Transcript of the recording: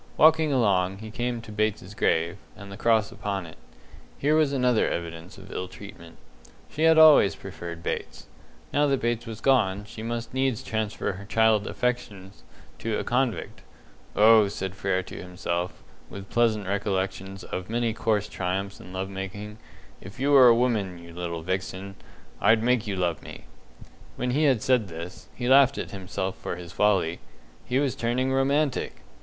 Walking along, he came to Bates's grave, and the cross upon it. Here was another evidence of ill treatment. She had always preferred Bates. Now that Bates was gone, she must needs transfer her childish affections to a convict. "Oh," said Frere to himself, with pleasant recollections of many coarse triumphs in love making, "if you were a woman, you little vixen, I'd make you love me!" When he had said this, he laughed at himself for his folly he was turning romantic!